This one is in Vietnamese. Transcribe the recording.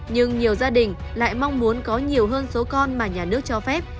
nhưng nhiều gia đình lại mong muốn có nhiều hơn số con mà nhà nước cho phép